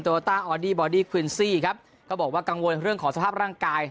โอต้าออดี้บอดี้ควินซี่ครับก็บอกว่ากังวลเรื่องของสภาพร่างกาย